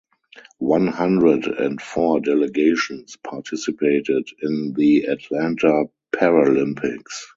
One-hundred and four delegations participated in the Atlanta Paralympics.